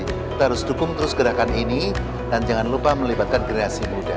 kita harus dukung terus gerakan ini dan jangan lupa melibatkan kreasi muda